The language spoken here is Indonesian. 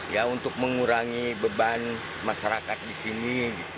ya untuk mengurangi beban masyarakat di sini